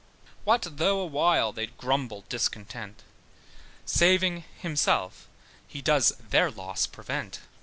What though a while they grumble discontent, Saving himself, he does their loss prevent.